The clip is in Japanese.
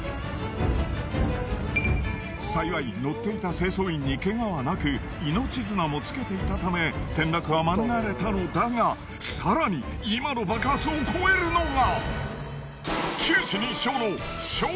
幸い乗っていた清掃員にけがはなく命綱もつけていたため転落は免れたのだが更に今の爆発を超えるのが。